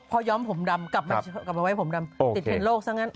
พอย้อมผมดำกลับมาไว้ผมดำติดเทรนโลกซะงั้น